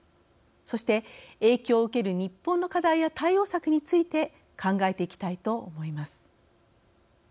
そして影響を受ける日本の課題や対応策について考えていきたいと思います。